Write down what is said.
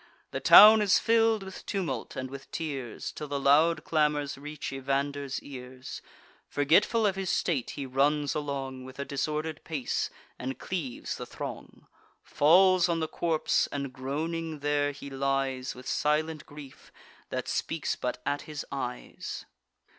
The town is fill'd with tumult and with tears, Till the loud clamours reach Evander's ears: Forgetful of his state, he runs along, With a disorder'd pace, and cleaves the throng; Falls on the corpse; and groaning there he lies, With silent grief, that speaks but at his eyes.